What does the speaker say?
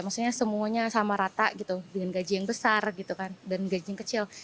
maksudnya semuanya sama rata gitu dengan gaji yang besar gitu kan dan gaji yang kecil